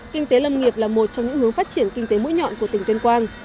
kinh tế lâm nghiệp là một trong những hướng phát triển kinh tế mũi nhọn của tỉnh tuyên quang